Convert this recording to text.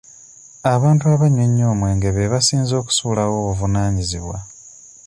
Abantu abanywa ennyo omwenge be basinze okusuulawo obuvunaanyizibwa.